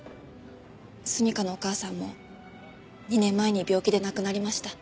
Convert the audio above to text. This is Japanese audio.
純夏のお母さんも２年前に病気で亡くなりました。